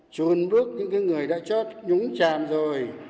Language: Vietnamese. chuồn bước những người đã chót nhúng chàm rồi